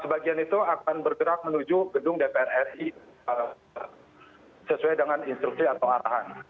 sebagian itu akan bergerak menuju gedung dpr ri sesuai dengan instruksi atau arahan